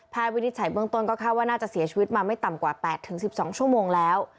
วินิจฉัยเบื้องต้นก็คาดว่าน่าจะเสียชีวิตมาไม่ต่ำกว่า๘๑๒ชั่วโมงแล้ว